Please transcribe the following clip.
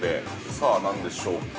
さあ、何でしょうか。